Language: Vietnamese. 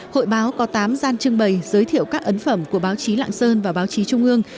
hội báo có tám gian trưng bày giới thiệu các ấn phẩm của báo chí lạng sơn và báo chí trung ương